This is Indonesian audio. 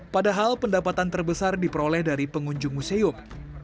padahal pendapatan terbesar diperoleh dari pengunjung museum